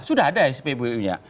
sudah ada spbu nya